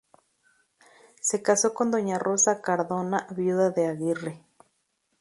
Se casó con doña Rosa Cardona viuda de Aguirre.